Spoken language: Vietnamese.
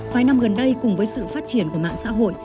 vài năm gần đây cùng với sự phát triển của mạng xã hội